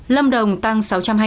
lâm đồng tăng sáu trăm hai mươi